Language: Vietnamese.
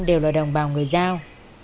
đều là đồng bào người giao